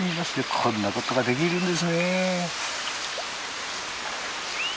こんなことができるんですね。